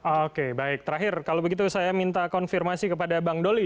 oke baik terakhir kalau begitu saya minta konfirmasi kepada bang doli